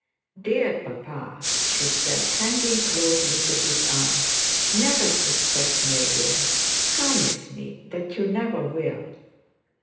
'Dear papa,' she said, hanging closely to his arm, 'never suspect me again: promise me that you never will.